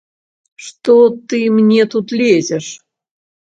Што ты мне тут лезеш?